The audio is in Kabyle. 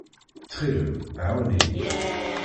Ttxil-m, ɛawen-iyi.